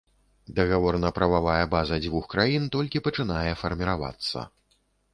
Дагаворна-прававая база дзвюх краін толькі пачынае фарміравацца.